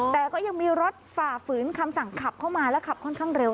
แต่ก็ยังมีรถฝ่าฝืนคำสั่งขับเข้ามาและขับค่อนข้างเร็ว